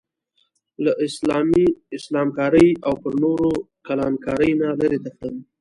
له اسلام کارۍ او پر نورو کلان کارۍ نه لرې تښتم.